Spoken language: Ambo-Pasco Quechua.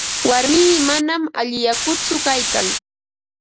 Warmii manam allillakutsu kaykan.